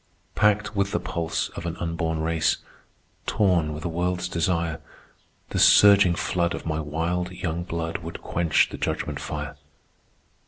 "Packed with the pulse of an unborn race, Torn with a world's desire, The surging flood of my wild young blood Would quench the judgment fire.